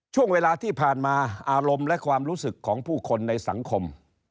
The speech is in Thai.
ช่วงเวลาที่ผ่านมาอารมณ์และความรู้สึกของผู้คนในสังคม